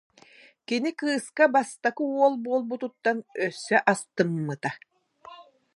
Кини кыыска бастакы уол буолбутуттан өссө астыммыта